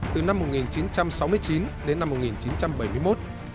từ năm một nghìn chín trăm sáu mươi chín đến năm một nghìn chín trăm bảy mươi một